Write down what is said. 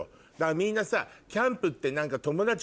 みんなさキャンプって。